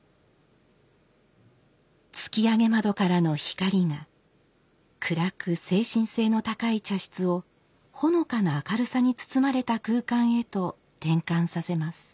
突き上げ窓からの光が暗く精神性の高い茶室をほのかな明るさに包まれた空間へと転換させます。